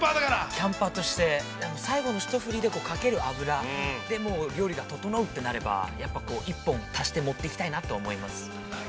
◆キャンパーとして、最後の一振りで、かける油、で、もう料理が調うとなれば、１本持っていきたいと思います。